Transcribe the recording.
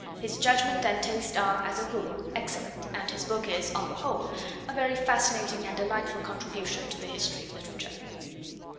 His judgment and taste are, as a rule, excellent, and his book is, on the whole, a very fascinating and delightful contribution to the history of literature.